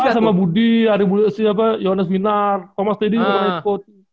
iya sama budi si apa yones minar thomas teddy siapa yang ikut